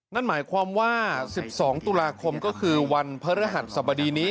นั่นหมายความว่า๑๒ตุลาคมก็คือวันพระฤหัสสบดีนี้